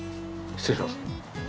失礼します。